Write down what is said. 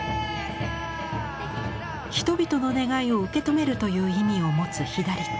「人々の願いを受け止める」という意味を持つ左手。